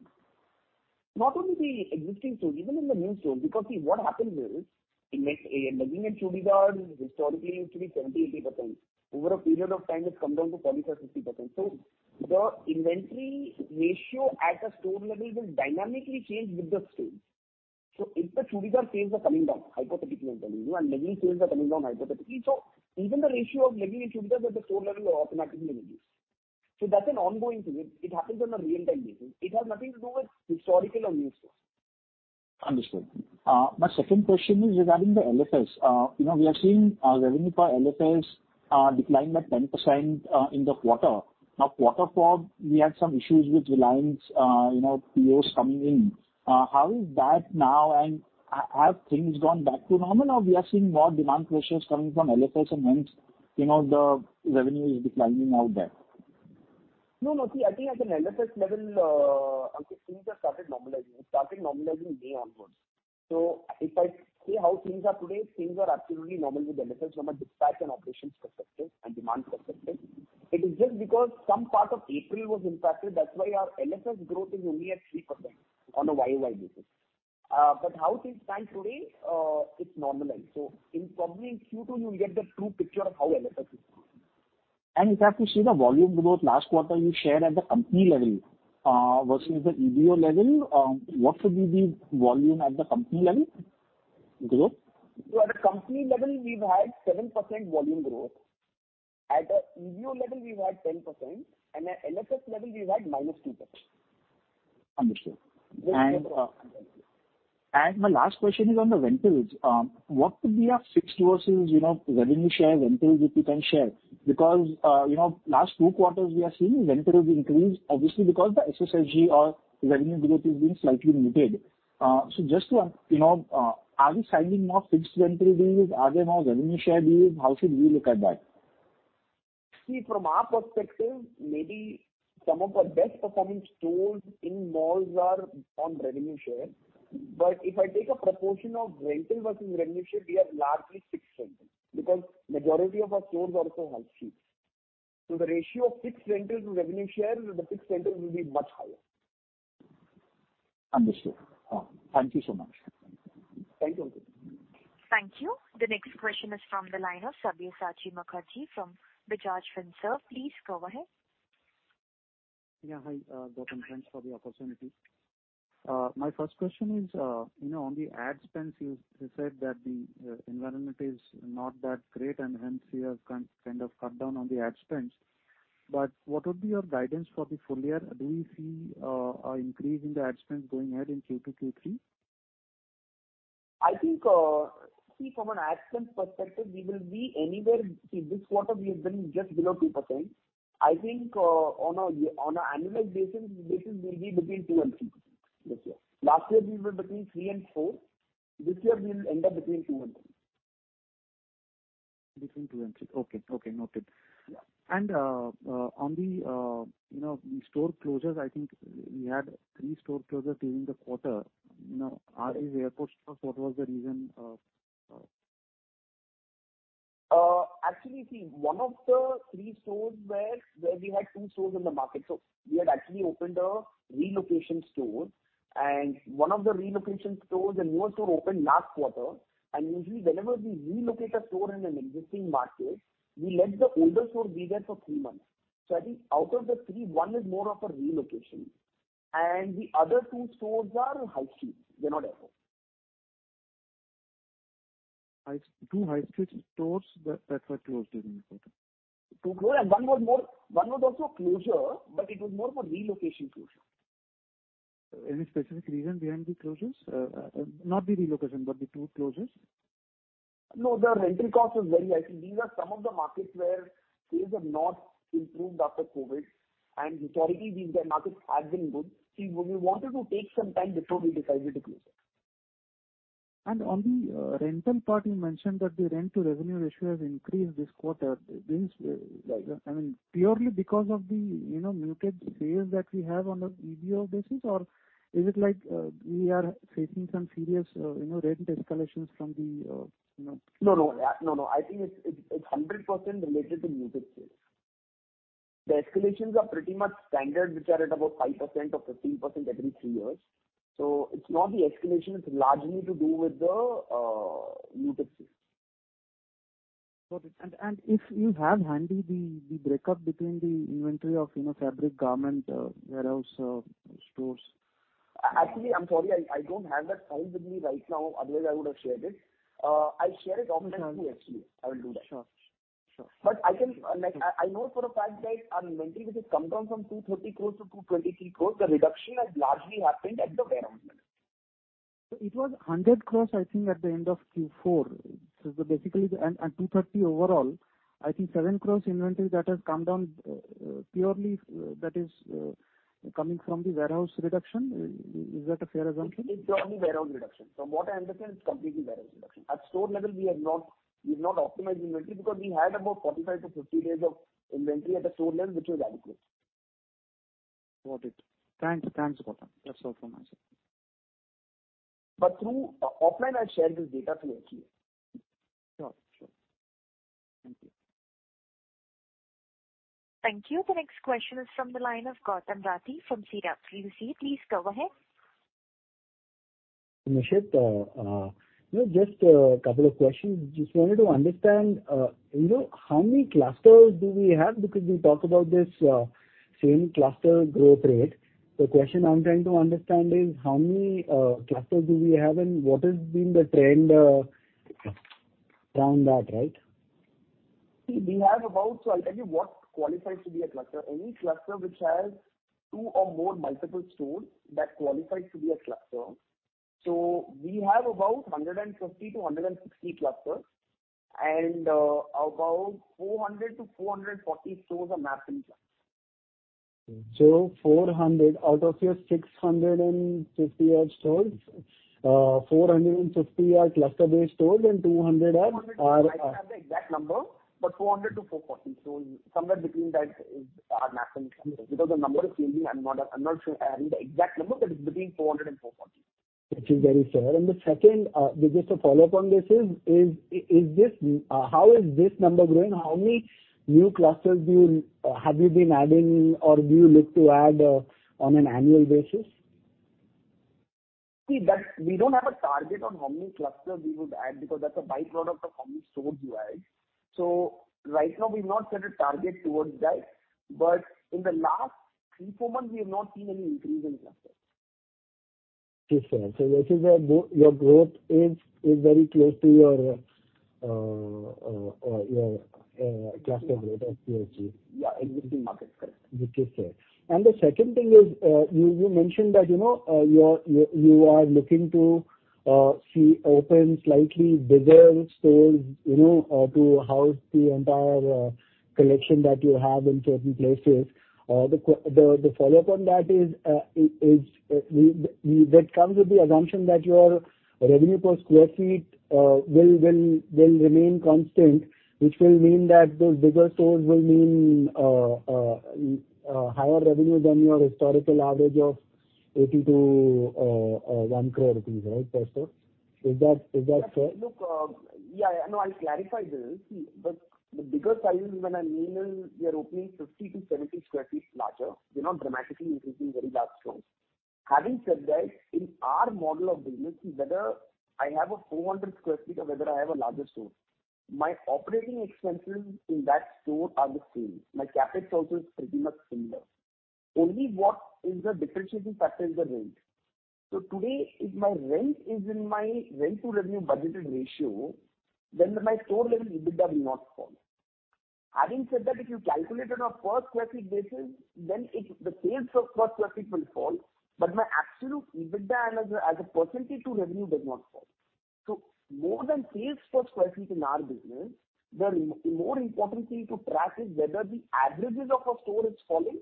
Not only the existing stores, even in the new store, because, see, what happens is, in leg, and legging and churidars historically used to be 70%-80%. Over a period of time, it's come down to 40% or 60%. The inventory ratio at a store level will dynamically change with the sales. If the churidars sales are coming down, hypothetically, I'm telling you, and legging sales are coming down, hypothetically, so even the ratio of legging and churidars at the store level will automatically reduce. That's an ongoing thing. It happens on a real-time basis. It has nothing to do with historical or new stores. Understood. My second question is regarding the LFS. You know, we are seeing revenue per LFS decline by 10% in the quarter. Now, quarter 4, we had some issues with Reliance, you know, POs coming in. How is that now? Have things gone back to normal, or we are seeing more demand pressures coming from LFS and hence, you know, the revenue is declining out there? No, no. See, I think at an LFS level, Ankit, things have started normalizing. It started normalizing May onwards. If I say how things are today, things are absolutely normal with LFS from a dispatch and operations perspective and demand perspective. It is just because some part of April was impacted, that's why our LFS growth is only at 3% on a YOY basis. How things stand today, it's normalized. In probably in Q2, you'll get the true picture of how LFS is doing. If I have to see the volume growth, last quarter, you shared at the company level, versus the EBO level. What should be the volume at the company level growth? At a company level, we've had 7% volume growth. At the EBO level, we've had 10%, and at LFS level, we've had -2%. Understood. My last question is on the rentals. What could be your fixed versus, you know, revenue share rentals, if you can share? You know, last two quarters, we are seeing rentals increase, obviously, because the SSSG, our revenue growth is being slightly muted. Just to, you know, are we signing more fixed rental deals? Are there more revenue share deals? How should we look at that? See, from our perspective, maybe some of our best performing stores in malls are on revenue share. If I take a proportion of rental versus revenue share, we are largely fixed rental, because majority of our stores are also high street. The ratio of fixed rental to revenue share, the fixed rental will be much higher. Understood. Thank you so much. Thank you, Ankit. Thank you. The next question is from the line of Sabyasachi Mukherjee from Bajaj Finserv. Please go ahead. Yeah, hi, good, and thanks for the opportunity. My first question is, you know, on the ad spends, you said that the environment is not that great, and hence you have kind, kind of cut down on the ad spends. What would be your guidance for the full year? Do you see an increase in the ad spend going ahead in Q2, Q3? I think, see, from an ad spend perspective, we will be anywhere... See, this quarter we have been just below 2%. I think, on an annual basis, we'll be between 2% and 3% this year. Last year, we were between 3% and 4%. This year, we will end up between 2% and 3%. Between two and three. Okay. Okay, noted. Yeah. On the, you know, the store closures, I think we had three store closures during the quarter. You know, are they airport stores? What was the reason...? Actually, see, one of the three stores where, where we had 2 stores in the market, so we had actually opened a relocation store. One of the relocation stores, the newer store opened last quarter, and usually, whenever we relocate a store in an existing market, we let the older store be there for 3 months. I think out of the 3, 1 is more of a relocation. The other 2 stores are high street. They're not airport. 2 high street stores that, that were closed during the quarter? 2 closed, and 1 was also a closure, but it was more of a relocation closure. Any specific reason behind the closures? Not the relocation, but the two closures. No, the rental cost was very high. See, these are some of the markets where sales have not improved after COVID, and historically, these, the markets have been good. See, we wanted to take some time before we decided to close it. On the rental part, you mentioned that the rent-to-revenue ratio has increased this quarter. This, I mean, purely because of the, you know, muted sales that we have on an EBO basis, or is it like, we are facing some serious, you know, rent escalations from the, you know? No, no. No, no, I think it's, it's, it's 100% related to muted sales. The escalations are pretty much standard, which are at about 5% or 15% every three years. It's not the escalation, it's largely to do with the new taxes. Got it. And if you have handy the, the breakup between the inventory of, you know, fabric, garment, warehouse, stores. Actually, I'm sorry, I, I don't have that file with me right now, otherwise I would have shared it. I'll share it offline with you, actually. I will do that. Sure. Sure. I can, like, I, I know for a fact that our inventory, which has come down from 230 crore to 223 crore, the reduction has largely happened at the warehouse level. It was 100 crore, I think, at the end of Q4. Basically, 230 overall, I think 7 crore inventory that has come down, purely, that is, coming from the warehouse reduction. Is that a fair assumption? It's only warehouse reduction. From what I understand, it's completely warehouse reduction. At store level, we've not optimized inventory, because we had about 45-50 days of inventory at the store level, which was adequate. Got it. Thanks. Thanks, Gautam. That's all from my side. Through offline, I'll share this data with you. Sure, sure. Thank you. Thank you. The next question is from the line of Gautam Rathi from CWC. Please go ahead. Nishit, you know, just a couple of questions. Just wanted to understand, you know, how many clusters do we have? Because we talk about this same cluster growth rate. The question I'm trying to understand is: how many clusters do we have, and what has been the trend down that, right? I'll tell you what qualifies to be a cluster. Any cluster which has two or more multiple stores, that qualifies to be a cluster. We have about 150-160 clusters, and about 400-440 stores are mapped in cluster. 400 out of your 650-odd stores, 450 are cluster-based stores and 200 are. I don't have the exact number, but 400-440 stores. Somewhere between that is, are mapped in clusters. Because the number is changing, I'm not, I'm not sure I have the exact number, but it's between 400 and 440. Which is very fair. The second, just to follow up on this, is this, how is this number growing? How many new clusters have you been adding or do you look to add on an annual basis? See, that's, we don't have a target on how many clusters we would add, because that's a by-product of how many stores you add. Right now, we've not set a target towards that. In the last three, four months, we have not seen any increase in clusters. Okay, fair. This is where your, your growth is, is very close to your, your cluster growth of [QHG]. Yeah, it will be market, correct. Okay, fair. The second thing is, you mentioned that, you know, you're, you are looking to, see open, slightly bigger stores, you know, to house the entire collection that you have in certain places. The follow-up on that is, that comes with the assumption that your revenue per square feet, will, will, will remain constant, which will mean that those bigger stores will mean, higher revenue than your historical average of 80 lakh-1 crore rupees, right, per store. Is that, is that fair? Look, yeah, no, I'll clarify this. See, the, the bigger size, when I mean is, we are opening 50 to 70 sq ft larger. We're not dramatically increasing very large stores. Having said that, in our model of business, whether I have a 400 sq ft or whether I have a larger store, my operating expenses in that store are the same. My CapEx also is pretty much similar. Only what is the differentiating factor is the rent. Today, if my rent is in my rent-to-revenue budgeted ratio, then my store level EBITDA will not fall. Having said that, if you calculate it on a per sq ft basis, then it, the sales per sq ft will fall, but my absolute EBITDA as a, as a % to revenue does not fall. More than sales per square feet in our business, the more important thing to track is whether the averages of a store is falling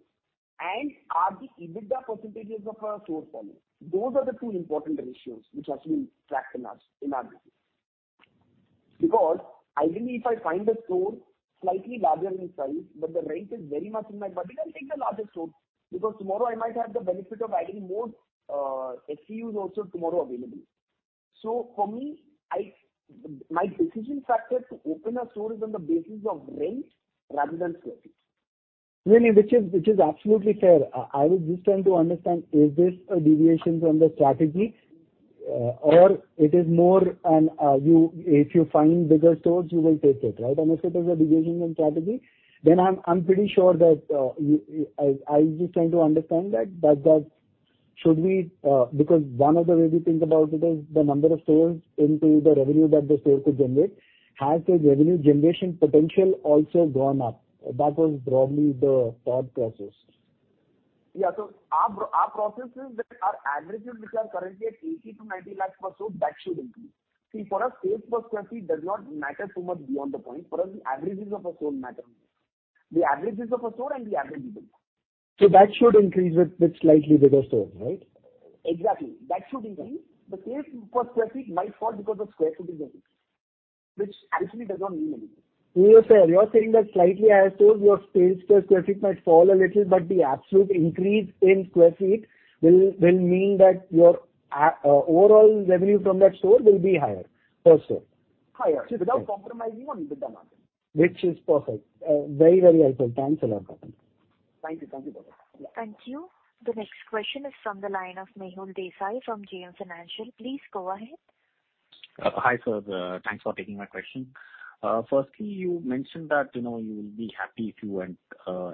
and are the EBITDA % of a store falling. Those are the 2 important ratios which has been tracked in us, in our business. Because ideally, if I find a store slightly larger in size, but the rent is very much in my budget, I'll take the larger store, because tomorrow I might have the benefit of adding more, SKUs also tomorrow available. For me, my decision factor to open a store is on the basis of rent rather than square feet. Which is, which is absolutely fair. I was just trying to understand, is this a deviation from the strategy, or it is more an, if you're finding bigger stores, you will take it, right? Unless it is a deviation in strategy, then I'm, I'm pretty sure that I was just trying to understand that should we. Because one of the way we think about it is the number of stores into the revenue that the store could generate. Has the revenue generation potential also gone up? That was probably the thought process. Yeah. Our process is that our averages, which are currently at 80 lakhs-90 lakhs per store, that should increase. See, for us, sales per square feet does not matter so much beyond the point. For us, the averages of a store matter more. The averages of a store and the average EBITDA. That should increase with, with slightly bigger stores, right? Exactly. That should increase. The sales per square feet might fall because the square feet is increasing, which actually does not mean anything. Yeah, fair. You are saying that slightly higher stores, your sales per square feet might fall a little, but the absolute increase in square feet will mean that your overall revenue from that store will be higher, per store?... higher, without compromising on EBITDA margin. Which is perfect. Very, very helpful. Thanks a lot, Gautam. Thank you. Thank you for that. Thank you. The next question is from the line of Mehul Desai, from JM Financial. Please go ahead. Hi, sir. Thanks for taking my question. Firstly, you mentioned that, you know, you will be happy if you end,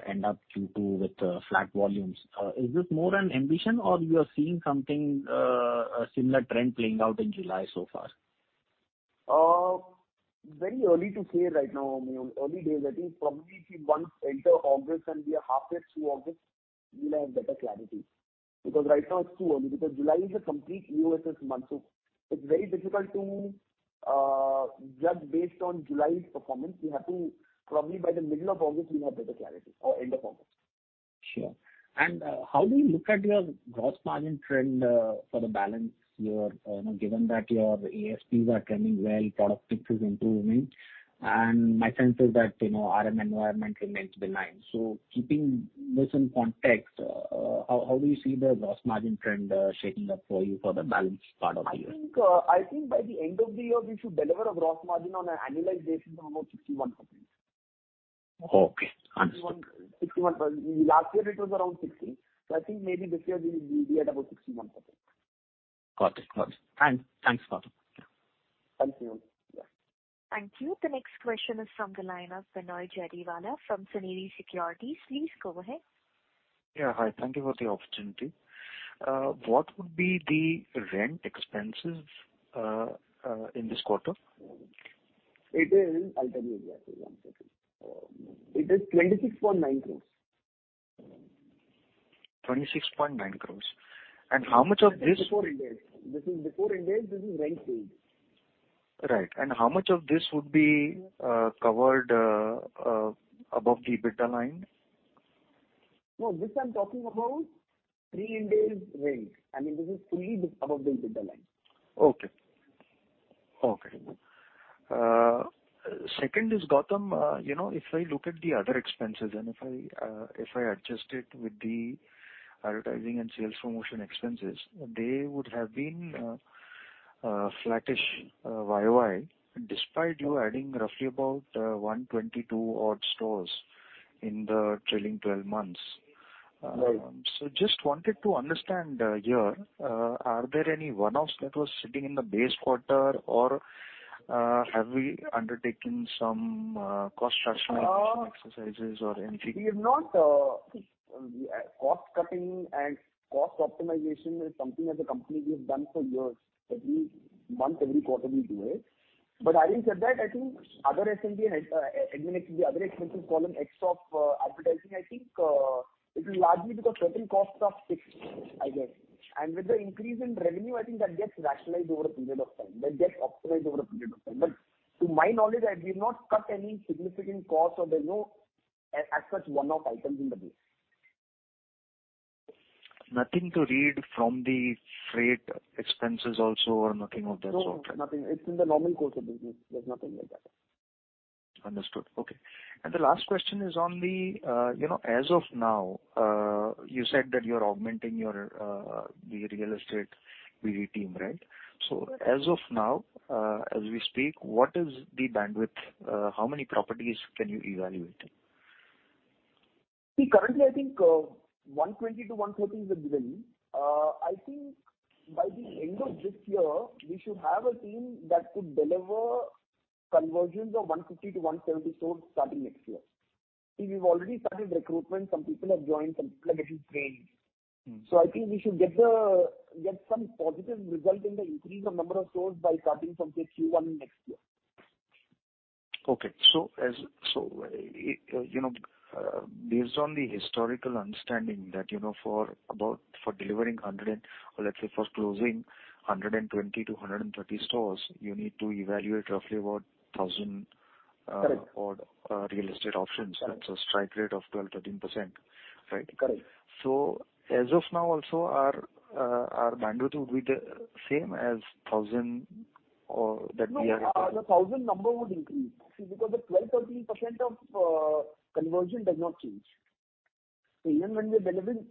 end up Q2 with, flat volumes. Is this more an ambition or you are seeing something, a similar trend playing out in July so far? Very early to say right now, Mehul. Early days, I think probably if we once enter August, and we are halfway through August, we'll have better clarity. Because right now it's too early, because July is a complete new SS month, so it's very difficult to judge based on July's performance. We have to, probably by the middle of August, we'll have better clarity, or end of August. Sure. How do you look at your gross margin trend for the balance year given that your ASPs are trending well, product mix is improving, and my sense is that, you know, RM environment remains benign. Keeping this in context, how, how do you see the gross margin trend shaping up for you for the balance part of the year? I think, I think by the end of the year, we should deliver a gross margin on an annualized basis of about 61%. Okay, understood. 61%. Last year it was around 60. I think maybe this year we will be at about 61%. Got it. Got it. Thanks. Thanks, Gautam. Thank you. Yeah. Thank you. The next question is from the line of Binoy Jariwala from Sunidhi Securities. Please go ahead. Yeah, hi. Thank you for the opportunity. What would be the rent expenses in this quarter? It is, I'll tell you exactly. It is 26.9 crore. 26.9 crore. How much of this- This is before Ind AS. This is before Ind AS, this is rent paid. Right. How much of this would be covered above the EBITDA line? No, this I'm talking about Pre-Ind AS rent. I mean, this is fully above the EBITDA line. Okay. Okay. second is, Gautam, you know, if I look at the other expenses, and if I, if I adjust it with the advertising and sales promotion expenses, they would have been, flattish, YOY, despite you adding roughly about, 122 odd stores in the trailing twelve months. Right. Just wanted to understand, here, are there any one-offs that was sitting in the base quarter, or, have we undertaken some cost rationalization exercises or anything? We have not... Cost-cutting and cost optimization is something as a company we have done for years. Every month, every quarter, we do it. Having said that, I think other SG&A and, admin, the other expenses column, ex of, advertising, I think, it is largely because certain costs are fixed, I guess. With the increase in revenue, I think that gets rationalized over a period of time, that gets optimized over a period of time. To my knowledge, I, we've not cut any significant costs, or there are no, as such, one-off items in the base. Nothing to read from the freight expenses also or nothing of that sort? No, nothing. It's in the normal course of business. There's nothing like that. Understood. Okay. The last question is on the, you know, as of now, you said that you're augmenting your the real estate BD team, right? As of now, as we speak, what is the bandwidth? How many properties can you evaluate? See, currently, I think, 120-130 is the range. I think by the end of this year, we should have a team that could deliver conversions of 150-170 stores starting next year. See, we've already started recruitment. Some people have joined, some people are getting trained. Mm. I think we should get the get some positive result in the increase of number of stores by starting from, say, Q1 next year. Okay. As, you know, based on the historical understanding that, you know, for about, for delivering 100, or let's say for closing 120 to 130 stores, you need to evaluate roughly about 1,000. Correct. odd, real estate options. Correct. That's a strike rate of 12%-13%. Right? Correct. As of now also, our, our bandwidth would be the same as 1,000, or that we are... No, the 1,000 number would increase. Because the 12%-13% of conversion does not change. Even when we are delivering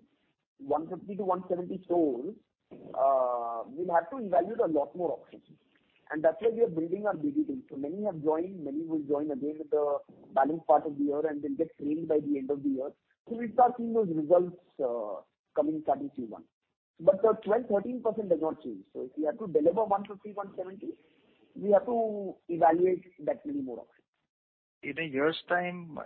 150-170 stores, we'll have to evaluate a lot more options. That's why we are building our BD team. Many have joined, many will join again with the balance part of the year, they'll get trained by the end of the year. We start seeing those results coming starting Q1. The 12%-13% does not change. If you have to deliver 150, 170, we have to evaluate that many more options. In a year's time,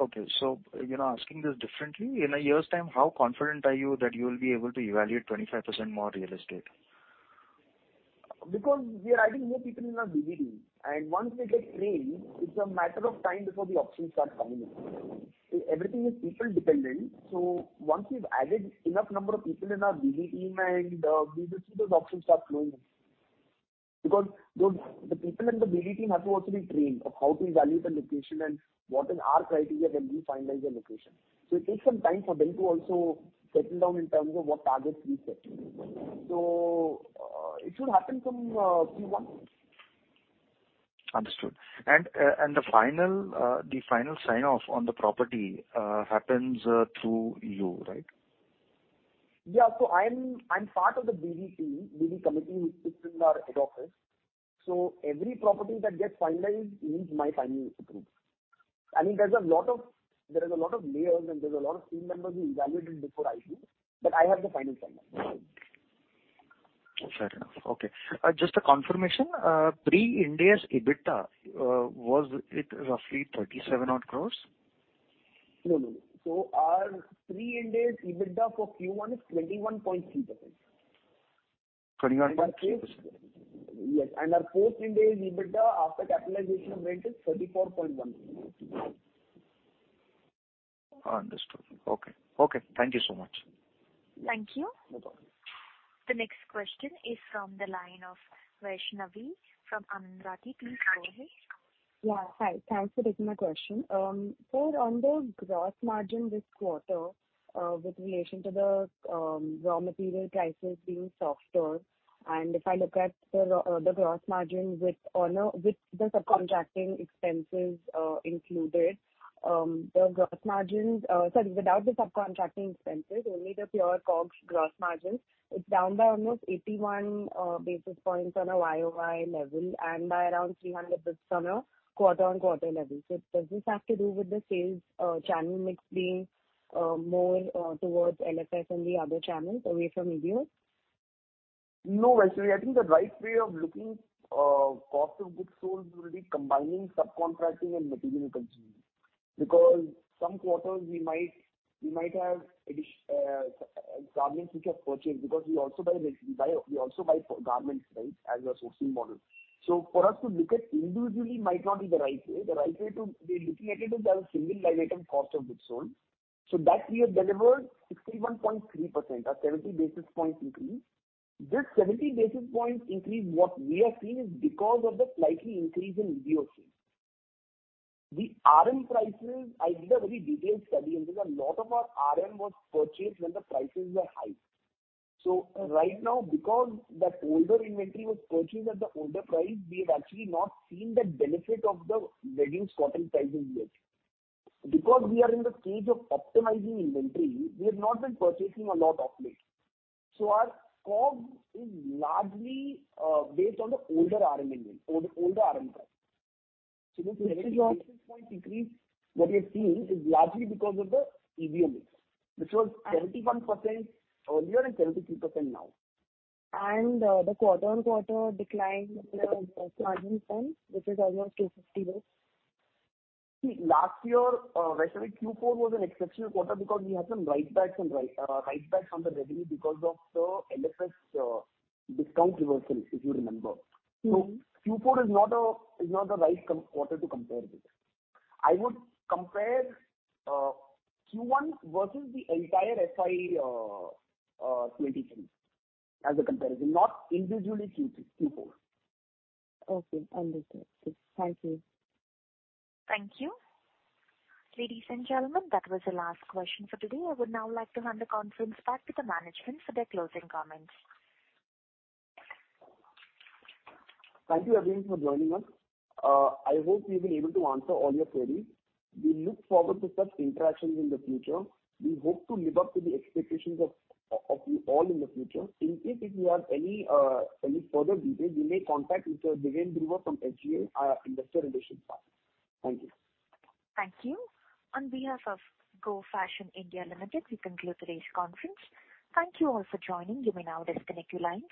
okay, so, you know, asking this differently: In a year's time, how confident are you that you will be able to evaluate 25% more real estate? We are adding more people in our BD team, and once they get trained, it's a matter of time before the options start coming in. Everything is people dependent, so once we've added enough number of people in our BD team and we will see those options start flowing in. The, the people in the BD team have to also be trained on how to evaluate the location and what is our criteria when we finalize the location. It takes some time for them to also settle down in terms of what targets we set. It should happen from Q1. Understood. And the final, the final sign-off on the property, happens through you, right? ...Yeah, I'm, I'm part of the BD team, BD committee, which is in our head office. Every property that gets finalized needs my final approval. I mean, there's a lot of, there is a lot of layers, and there's a lot of team members who evaluate it before I do, but I have the final sign off. Fair enough. Okay. Just a confirmation, Pre-Ind AS EBITDA, was it roughly 37 odd crore? No, no. Our Pre-Ind AS EBITDA for Q1 is 21.3%. 21.3%. Yes, our Post-Ind AS EBITDA after capitalization rate is 34.1. Understood. Okay. Okay, thank you so much. Thank you. You're welcome. The next question is from the line of Vaishnavi from Amundi. Please go ahead. Yeah. Hi, thanks for taking my question. Sir, on the gross margin this quarter, with relation to the raw material prices being softer, and if I look at the gross margin with the subcontracting expenses included, the gross margins, sorry, without the subcontracting expenses, only the pure COGS gross margins, it's down by almost 81 basis points on a YOY level and by around 300 basis on a quarter-over-quarter level. Does this have to do with the sales channel mix being more towards LFS and the other channels away from EBO? No, Vaishnavi, I think the right way of looking, cost of goods sold will be combining subcontracting and material consumption, because some quarters we might, we might have garments which are purchased because we also buy, we buy, we also buy garments, right, as a sourcing model. For us to look at individually might not be the right way. The right way to be looking at it is as a single line item, cost of goods sold. That we have delivered 61.3%, a 70 basis points increase. This 70 basis points increase, what we are seeing is because of the slightly increase in EBO sales. The RM prices, I did a very detailed study, and there's a lot of our RM was purchased when the prices were high. Right now, because that older inventory was purchased at the older price, we have actually not seen the benefit of the reduced cotton prices yet. Because we are in the stage of optimizing inventory, we have not been purchasing a lot of late. Our COGS is largely based on the older RM price. The 70 basis point decrease what we are seeing is largely because of the EBO, which was 71% earlier and 73% now. The quarter-on-quarter decline in the margin front, which is almost 250 base? Last year, Vaishnavi, Q4 was an exceptional quarter because we had some write-backs and write, write-backs on the revenue because of the LFS, discount reversals, if you remember. Mm-hmm. Q4 is not a, is not the right quarter to compare with. I would compare Q1 versus the entire FY 23 as a comparison, not individually Q4. Okay, understood. Thank you. Thank you. Ladies and gentlemen, that was the last question for today. I would now like to hand the conference back to the management for their closing comments Thank you everyone for joining us. I hope we've been able to answer all your queries. We look forward to such interactions in the future. We hope to live up to the expectations of you all in the future. In case if you have any further details, you may contact Mr. Birenlal Virvadia from SGA, our investor relations partner. Thank you. Thank you. On behaf of Go Fashion (India) Limited, we conclude today's conference. Thank you all for joining. You may now disconnect your lines.